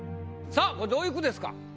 さぁこれどういう句ですか？